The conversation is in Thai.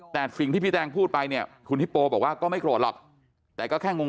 แต่สิ่งที่พี่แตงพูดไปเนี่ยคุณฮิปโปบอกว่าก็ไม่โกรธหรอกแต่ก็แค่งง